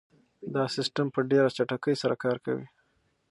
دا سیسټم په ډېره چټکۍ سره کار کوي.